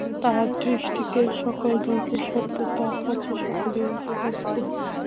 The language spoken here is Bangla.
তাঁর দৃষ্টিতে সকল ধর্মই সত্য, তাঁর কাছে সকলেরই স্থান ছিল।